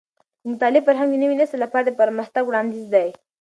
د مطالعې فرهنګ د نوي نسل لپاره د پرمختګ وړاندیز دی.